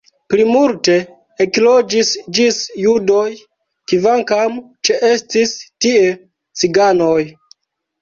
Plimulte ekloĝis ĝin judoj, kvankam ĉeestis tie ciganoj.